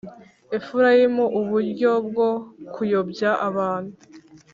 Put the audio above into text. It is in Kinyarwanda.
Efulayimu uburyo bwo kuyobya abantu